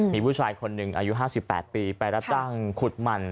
มีผู้ชายคนหนึ่งอายุ๕๘ปีไปรับจ้างขุดมัน